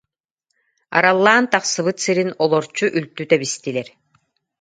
Араллаан тахсыбыт сирин олорчу үлтү тэбистилэр